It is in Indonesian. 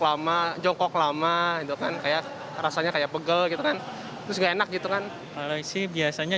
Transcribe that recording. lama jongkok lama itu kan kayak rasanya kayak pegel gitu kan terus enak gitu kan kalau sih biasanya